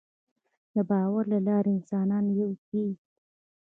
د باور له لارې انسانان یو کېږي.